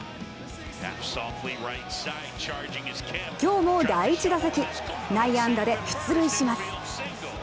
今日も第１打席、内野安打で出塁します。